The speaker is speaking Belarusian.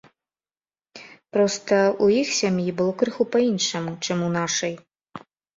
Проста, у іх сям'і было крыху па-іншаму, чым у нашай.